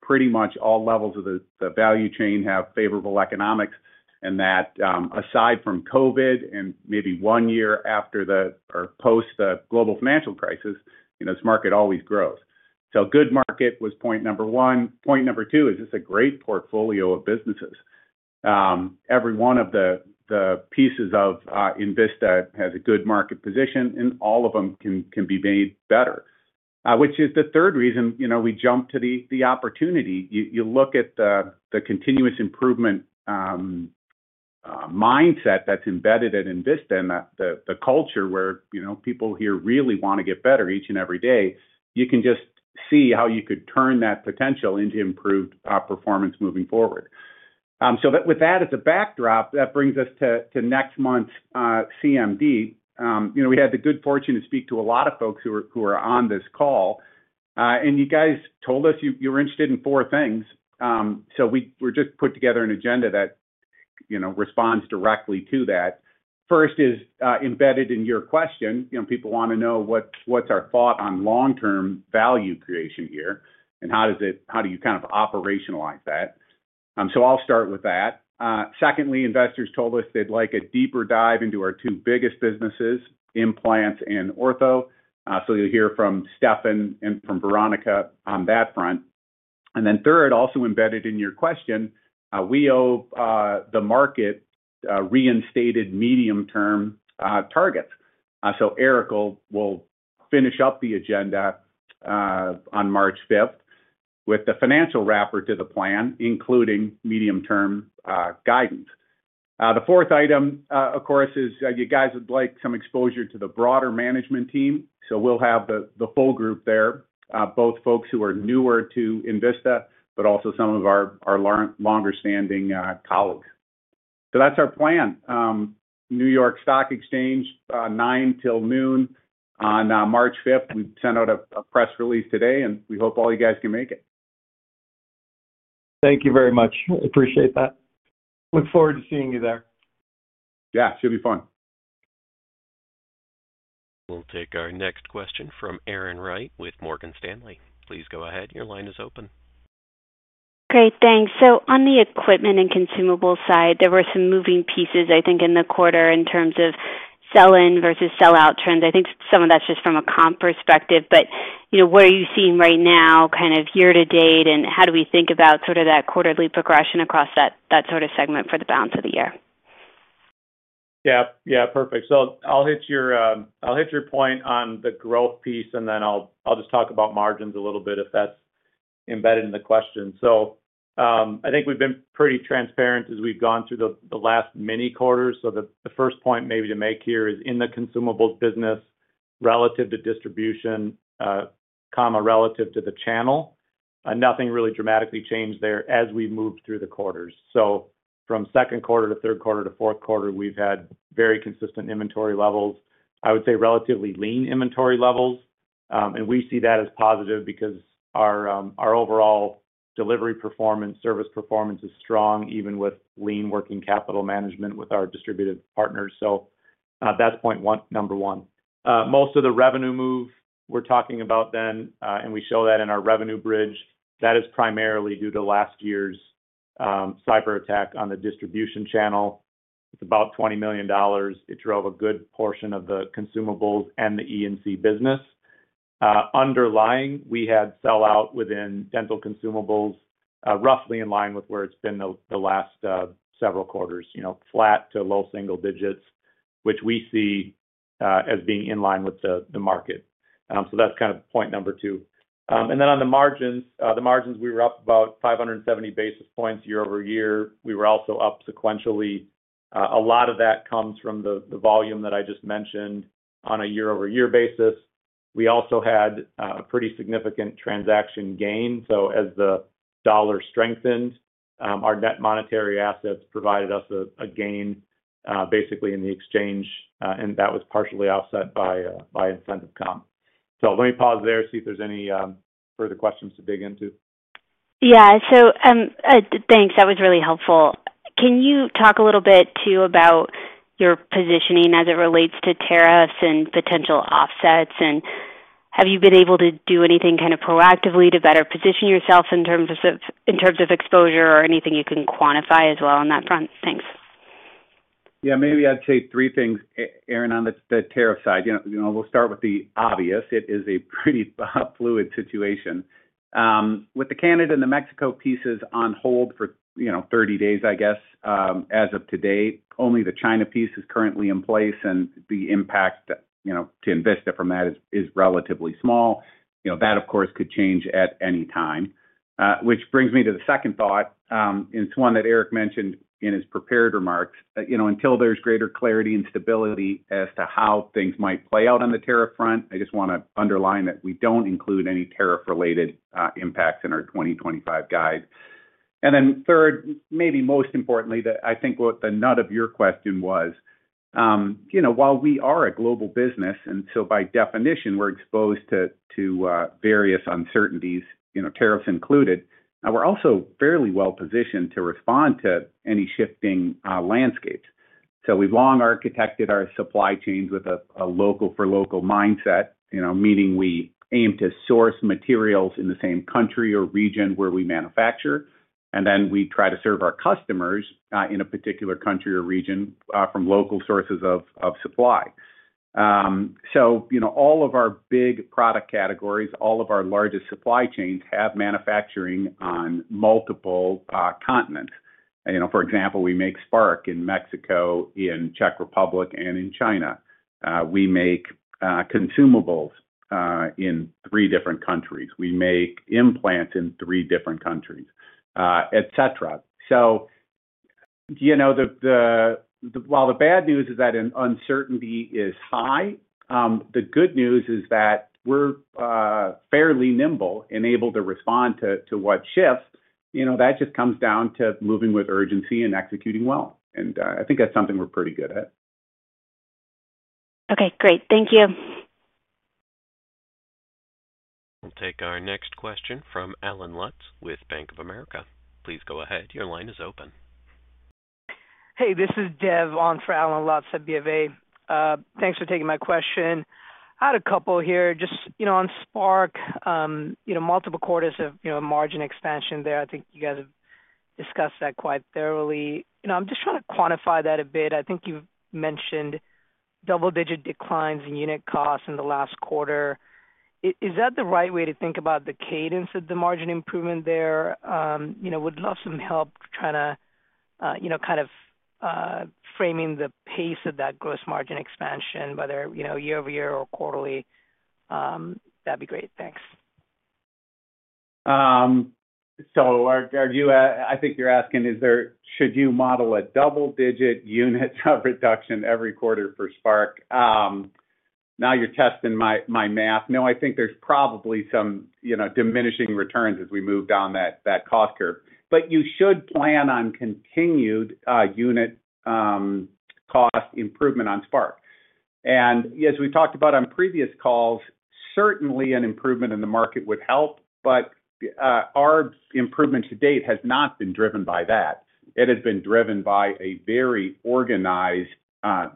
pretty much all levels of the value chain have favorable economics. And that aside from COVID and maybe one year after the or post the global financial crisis, this market always grows. So good market was point number one. Point number two is it's a great portfolio of businesses. Every one of the pieces of Envista has a good market position, and all of them can be made better, which is the third reason we jump to the opportunity. You look at the continuous improvement mindset that's embedded at Envista and the culture where people here really want to get better each and every day. You can just see how you could turn that potential into improved performance moving forward, so with that as a backdrop, that brings us to next month's CMD. We had the good fortune to speak to a lot of folks who are on this call, and you guys told us you were interested in four things, so we just put together an agenda that responds directly to that. First is embedded in your question. People want to know what's our thought on long-term value creation here, and how do you kind of operationalize that? So I'll start with that. Secondly, investors told us they'd like a deeper dive into our two biggest businesses, implants and ortho. So you'll hear from Stefan and from Veronica on that front. And then third, also embedded in your question, we owe the market reinstated medium-term targets. So Eric will finish up the agenda on March 5th with the financial wrapper to the plan, including medium-term guidance. The fourth item, of course, is you guys would like some exposure to the broader management team. So we'll have the full group there, both folks who are newer to Envista, but also some of our longer-standing colleagues. So that's our plan. New York Stock Exchange, 9:00 A.M. till noon on March 5th. We sent out a press release today, and we hope all you guys can make it. Thank you very much. I appreciate that. Look forward to seeing you there. Yeah, it should be fun. We'll take our next question from Erin Wright with Morgan Stanley. Please go ahead. Your line is open. Great. Thanks. So on the equipment and consumable side, there were some moving pieces, I think, in the quarter in terms of sell-in versus sell-out trends. I think some of that's just from a comp perspective. But what are you seeing right now, kind of year to date, and how do we think about sort of that quarterly progression across that sort of segment for the balance of the year? Yeah. Yeah. Perfect. So I'll hit your point on the growth piece, and then I'll just talk about margins a little bit if that's embedded in the question. So I think we've been pretty transparent as we've gone through the last many quarters. The first point maybe to make here is in the consumables business relative to distribution, relative to the channel. Nothing really dramatically changed there as we moved through the quarters. From Q2 to Q3 to Q4, we've had very consistent inventory levels. I would say relatively lean inventory levels. And we see that as positive because our overall delivery performance, service performance is strong even with lean working capital management with our distributed partners. That's point number one. Most of the revenue move we're talking about then, and we show that in our revenue bridge, that is primarily due to last year's cyber attack on the distribution channel. It's about $20 million. It drove a good portion of the consumables and the E&C business. Underlying, we had sell-out within dental consumables, roughly in line with where it's been the last several quarters, flat to low single digits, which we see as being in line with the market. So that's kind of point number two, and then on the margins, the margins, we were up about 570 basis points year-over-year. We were also up sequentially. A lot of that comes from the volume that I just mentioned on a year-over-year basis. We also had a pretty significant transaction gain. So as the dollar strengthened, our net monetary assets provided us a gain basically in the exchange, and that was partially offset by incentive comp. So let me pause there and see if there's any further questions to dig into. Yeah, so thanks. That was really helpful. Can you talk a little bit too about your positioning as it relates to tariffs and potential offsets? And have you been able to do anything kind of proactively to better position yourself in terms of exposure or anything you can quantify as well on that front? Thanks. Yeah. Maybe I'd say three things, Erin, on the tariff side. We'll start with the obvious. It is a pretty fluid situation. With the Canada and the Mexico pieces on hold for 30 days, I guess, as of today, only the China piece is currently in place, and the impact to Envista from that is relatively small. That, of course, could change at any time, which brings me to the second thought. It's one that Eric mentioned in his prepared remarks. Until there's greater clarity and stability as to how things might play out on the tariff front, I just want to underline that we don't include any tariff-related impacts in our 2025 guide, and then third, maybe most importantly, I think what the nut of your question was, while we are a global business, and so by definition, we're exposed to various uncertainties, tariffs included, we're also fairly well-positioned to respond to any shifting landscapes, so we've long architected our supply chains with a local-for-local mindset, meaning we aim to source materials in the same country or region where we manufacture, and then we try to serve our customers in a particular country or region from local sources of supply. So all of our big product categories, all of our largest supply chains have manufacturing on multiple continents. For example, we make Spark in Mexico, in Czech Republic, and in China. We make consumables in three different countries. We make implants in three different countries, etc. So while the bad news is that uncertainty is high, the good news is that we're fairly nimble and able to respond to what shifts. That just comes down to moving with urgency and executing well. And I think that's something we're pretty good at. Okay. Great. Thank you. We'll take our next question from Alan Lutz with Bank of America. Please go ahead. Your line is open. Hey, this is Dev on for Alan Lutz at BofA. Thanks for taking my question. I had a couple here. Just on Spark, multiple quarters of margin expansion there. I think you guys have discussed that quite thoroughly. I'm just trying to quantify that a bit. I think you've mentioned double-digit declines in unit costs in the last quarter. Is that the right way to think about the cadence of the margin improvement there? Would love some help trying to kind of framing the pace of that gross margin expansion, whether year-over-year or quarterly. That'd be great. Thanks. So I think you're asking, should you model a double-digit unit reduction every quarter for Spark? Now you're testing my math. No, I think there's probably some diminishing returns as we move down that cost curve. But you should plan on continued unit cost improvement on Spark. And as we've talked about on previous calls, certainly an improvement in the market would help, but our improvement to date has not been driven by that. It has been driven by a very organized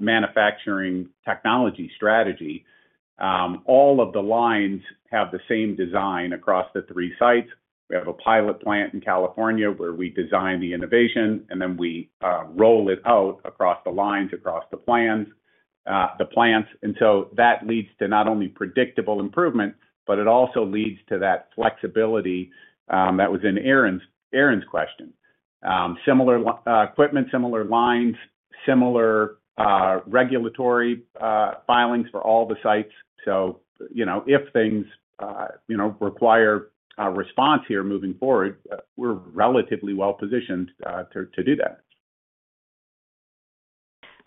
manufacturing technology strategy. All of the lines have the same design across the three sites. We have a pilot plant in California where we design the innovation, and then we roll it out across the lines, across the plants. And so that leads to not only predictable improvement, but it also leads to that flexibility that was in Erin's question. Similar equipment, similar lines, similar regulatory filings for all the sites. So if things require a response here moving forward, we're relatively well-positioned to do that.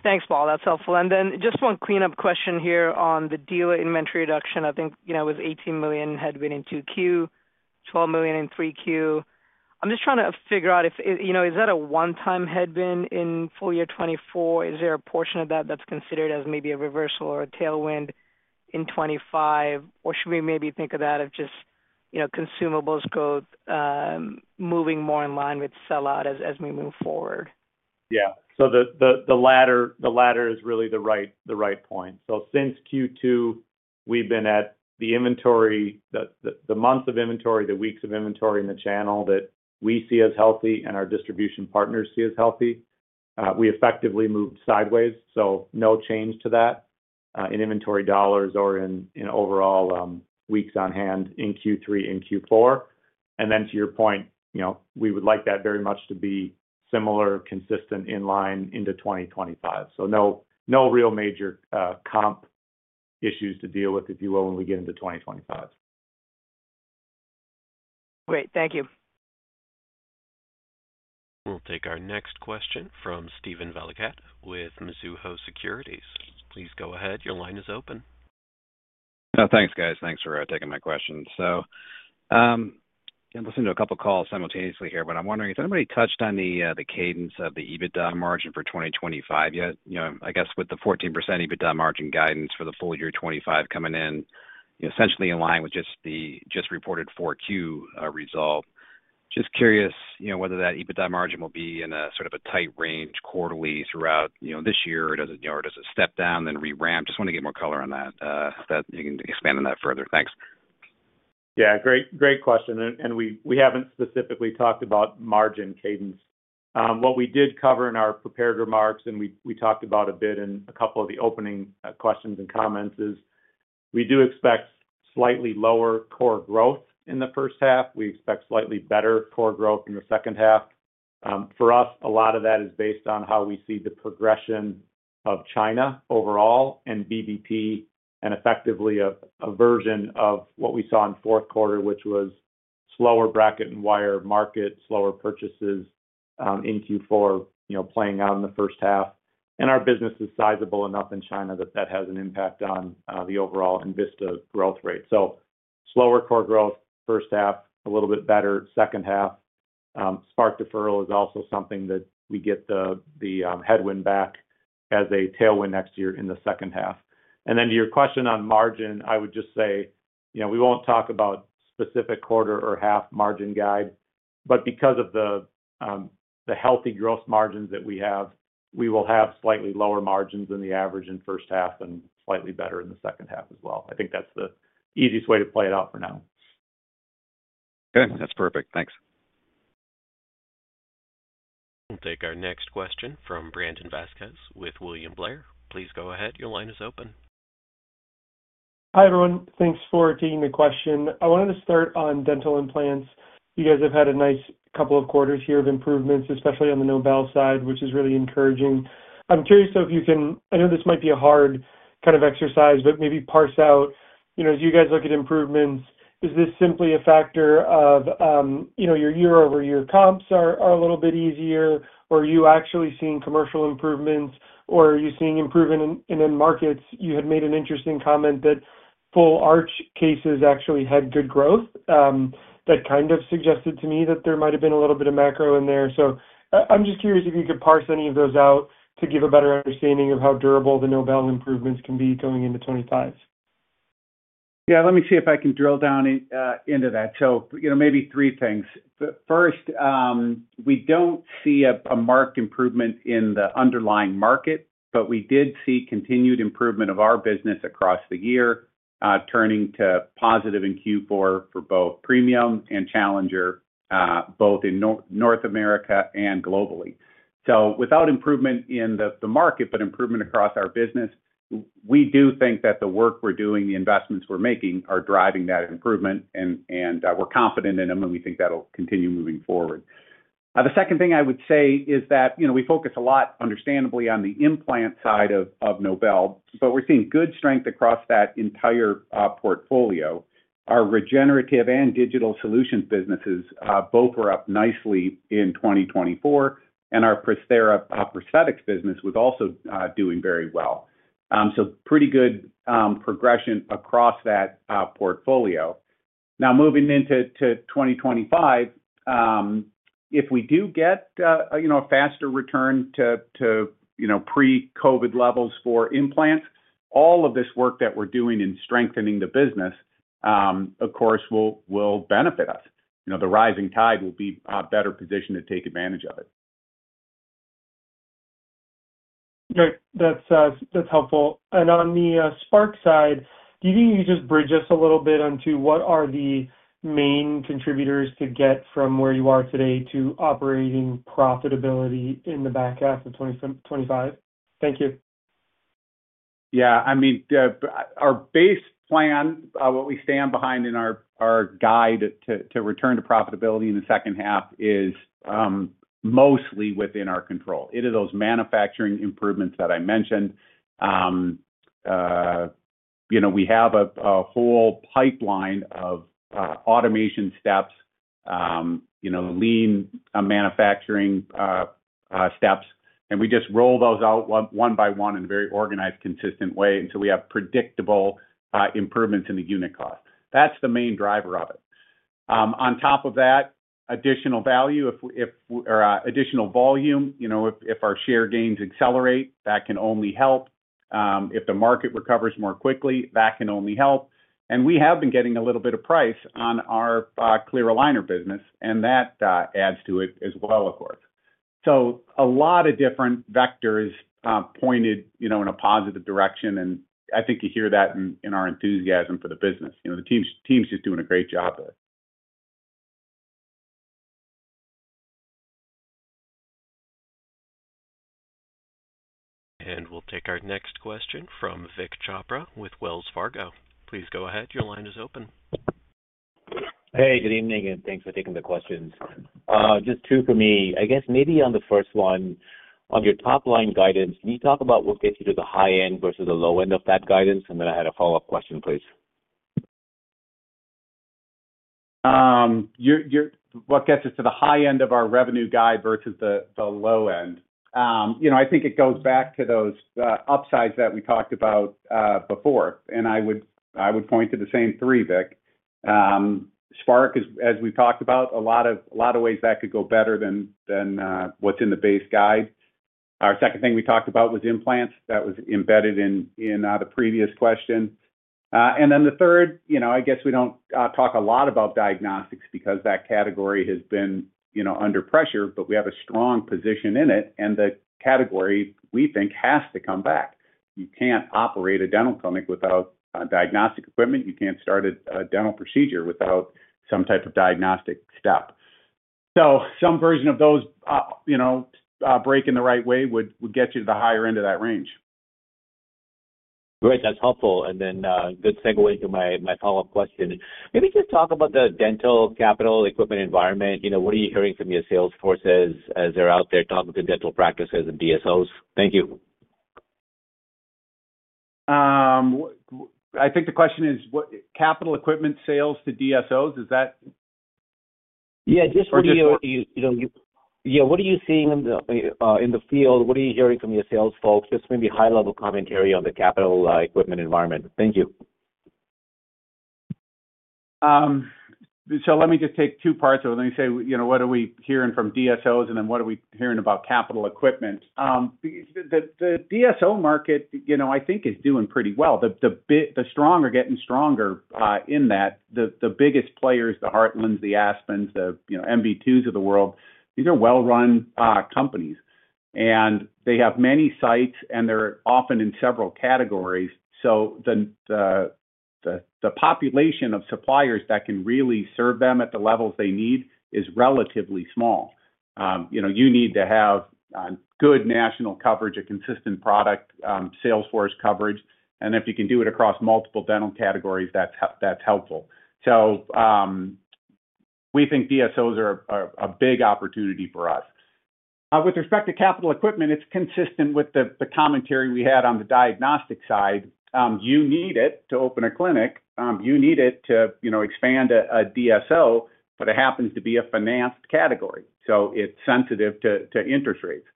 Thanks, Paul. That's helpful. And then just one clean-up question here on the dealer inventory reduction. I think it was $18 million headwind in 2Q, $12 million in 3Q. I'm just trying to figure out if that is a one-time headwind in full year 2024. Is there a portion of that that's considered as maybe a reversal or a tailwind in 2025? Or should we maybe think of that as just consumables growth moving more in line with sell-out as we move forward? Yeah. So the latter is really the right point. So since Q2, we've been at the months of inventory, the weeks of inventory in the channel that we see as healthy and our distribution partners see as healthy. We effectively moved sideways. So no change to that in inventory dollars or in overall weeks on hand in Q3 and Q4. And then to your point, we would like that very much to be similar, consistent in line into 2025. So no real major comp issues to deal with, if you will, when we get into 2025. Great. Thank you. We'll take our next question from Stephen Valiquette with Mizuho Securities. Please go ahead. Your line is open. Thanks, guys. Thanks for taking my question. I'm listening to a couple of calls simultaneously here, but I'm wondering if anybody touched on the cadence of the EBITDA margin for 2025 yet? I guess with the 14% EBITDA margin guidance for the full year 2025 coming in, essentially in line with just reported 4Q result. Just curious whether that EBITDA margin will be in a sort of a tight range quarterly throughout this year or does it step down, then re-ramp? Just want to get more color on that, if you can expand on that further. Thanks. Yeah. Great question, and we haven't specifically talked about margin cadence. What we did cover in our prepared remarks, and we talked about a bit in a couple of the opening questions and comments, is we do expect slightly lower core growth in the first half. We expect slightly better core growth in the second half. For us, a lot of that is based on how we see the progression of China overall and VBP and effectively a version of what we saw in Q4, which was slower bracket and wire market, slower purchases in Q4 playing out in the first half, and our business is sizable enough in China that that has an impact on the overall Envista growth rate, so slower core growth, first half, a little bit better, second half. Spark deferral is also something that we get the headwind back as a tailwind next year in the second half, and then to your question on margin, I would just say we won't talk about specific quarter or half margin guide, but because of the healthy gross margins that we have, we will have slightly lower margins than the average in first half and slightly better in the second half as well. I think that's the easiest way to play it out for now. Okay. That's perfect. Thanks. We'll take our next question from Brandon Vazquez with William Blair. Please go ahead. Your line is open. Hi, everyone. Thanks for taking the question. I wanted to start on dental implants. You guys have had a nice couple of quarters here of improvements, especially on the Nobel side, which is really encouraging. I'm curious if you can. I know this might be a hard kind of exercise, but maybe parse out, as you guys look at improvements, is this simply a factor of your year-over-year comps are a little bit easier, or are you actually seeing commercial improvements, or are you seeing improvement in end markets? You had made an interesting comment that full arch cases actually had good growth. That kind of suggested to me that there might have been a little bit of macro in there. So I'm just curious if you could parse any of those out to give a better understanding of how durable the Nobel improvements can be going into 2025. Yeah. Let me see if I can drill down into that. So maybe three things. First, we don't see a marked improvement in the underlying market, but we did see continued improvement of our business across the year, turning to positive in Q4 for both premium and challenger, both in North America and globally. So without improvement in the market, but improvement across our business, we do think that the work we're doing, the investments we're making are driving that improvement, and we're confident in them, and we think that'll continue moving forward. The second thing I would say is that we focus a lot, understandably, on the implant side of Nobel, but we're seeing good strength across that entire portfolio. Our regenerative and digital solutions businesses both were up nicely in 2024, and our Procera prosthetics business was also doing very well. So pretty good progression across that portfolio. Now, moving into 2025, if we do get a faster return to pre-COVID levels for implants, all of this work that we're doing in strengthening the business, of course, will benefit us. The rising tide will be a better position to take advantage of it. That's helpful. Regarding the Spark side, do you think you could just bridge us a little bit onto what are the main contributors to get from where you are today to operating profitability in the back half of 2025? Thank you. Yeah. I mean, our base plan, what we stand behind in our guide to return to profitability in the second half is mostly within our control. It is those manufacturing improvements that I mentioned. We have a whole pipeline of automation steps, lean manufacturing steps, and we just roll those out one by one in a very organized, consistent way. And so we have predictable improvements in the unit cost. That's the main driver of it. On top of that, additional value or additional volume, if our share gains accelerate, that can only help. If the market recovers more quickly, that can only help. And we have been getting a little bit of price on our clear aligner business, and that adds to it as well, of course. So a lot of different vectors pointed in a positive direction, and I think you hear that in our enthusiasm for the business. The team's just doing a great job there. And we'll take our next question from Vik Chopra with Wells Fargo. Please go ahead. Your line is open. Hey, good evening, and thanks for taking the questions. Just two for me. I guess maybe on the first one, on your top-line guidance, can you talk about what gets you to the high end versus the low end of that guidance? And then I had a follow-up question, please. What gets us to the high end of our revenue guide versus the low end? I think it goes back to those upsides that we talked about before. And I would point to the same three, Vik. Spark, as we've talked about, a lot of ways that could go better than what's in the base guide. Our second thing we talked about was implants. That was embedded in the previous question. And then the third, I guess we don't talk a lot about diagnostics because that category has been under pressure, but we have a strong position in it, and the category we think has to come back. You can't operate a dental clinic without diagnostic equipment. You can't start a dental procedure without some type of diagnostic step. So some version of those break in the right way would get you to the higher end of that range. Great. That's helpful. And then good segue into my follow-up question. Maybe just talk about the dental capital equipment environment. What are you hearing from your sales forces as they're out there talking to dental practices and DSOs? Thank you. I think the question is capital equipment sales to DSOs, is that? Yeah. Just for DSO. Yeah. What are you seeing in the field? What are you hearing from your sales folks? Just maybe high-level commentary on the capital equipment environment. Thank you. So let me just take two parts of it. Let me say, what are we hearing from DSOs, and then what are we hearing about capital equipment? The DSO market, I think, is doing pretty well. The strong are getting stronger in that. The biggest players, the Heartlands, the Aspens, the MB2s of the world, these are well-run companies. And they have many sites, and they're often in several categories. So the population of suppliers that can really serve them at the levels they need is relatively small. You need to have good national coverage, a consistent product, sales force coverage. And if you can do it across multiple dental categories, that's helpful. So we think DSOs are a big opportunity for us. With respect to capital equipment, it's consistent with the commentary we had on the diagnostic side. You need it to open a clinic. You need it to expand a DSO, but it happens to be a financed category. So it's sensitive to interest rates.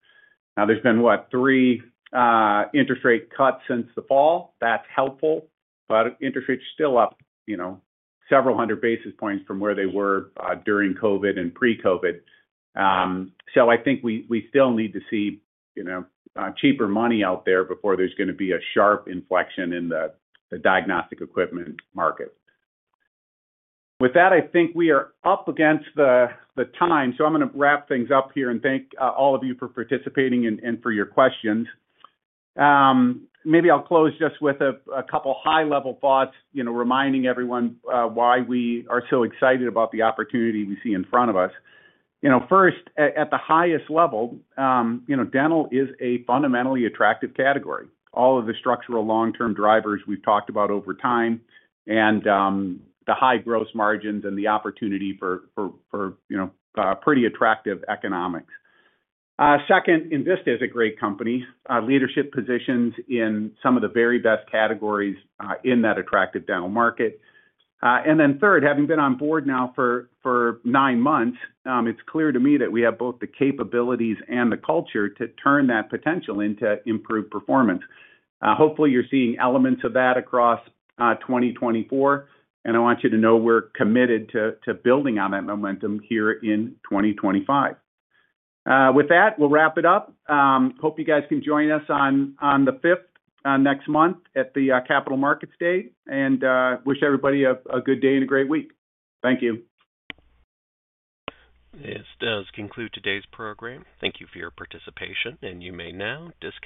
Now, there's been, what, three interest rate cuts since the fall? That's helpful. But interest rates are still up several hundred basis points from where they were during COVID and pre-COVID. So I think we still need to see cheaper money out there before there's going to be a sharp inflection in the diagnostic equipment market. With that, I think we are up against the time. So I'm going to wrap things up here and thank all of you for participating and for your questions. Maybe I'll close just with a couple of high-level thoughts, reminding everyone why we are so excited about the opportunity we see in front of us. First, at the highest level, dental is a fundamentally attractive category. All of the structural long-term drivers we've talked about over time and the high gross margins and the opportunity for pretty attractive economics. Second, Envista is a great company. Leadership positions in some of the very best categories in that attractive dental market, and then third, having been on board now for nine months, it's clear to me that we have both the capabilities and the culture to turn that potential into improved performance. Hopefully, you're seeing elements of that across 2024, and I want you to know we're committed to building on that momentum here in 2025. With that, we'll wrap it up. Hope you guys can join us on the 5th next month at the Capital Markets Day, and wish everybody a good day and a great week. Thank you. This does conclude today's program. Thank you for your participation, and you may now disconnect.